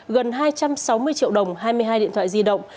gần hai trăm sáu mươi triệu đồng hai mươi hai điện thoại di động